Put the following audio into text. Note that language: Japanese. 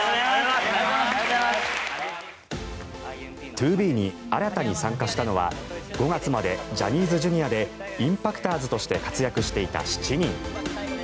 ＴＯＢＥに新たに参加したのは５月までジャニーズＪｒ．でＩＭＰＡＣＴｏｒｓとして活躍していた７人。